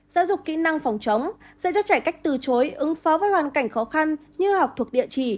giáo dục kỹ năng phòng chống sẽ giúp trẻ cách từ chối ứng phó với hoàn cảnh khó khăn như học thuộc địa chỉ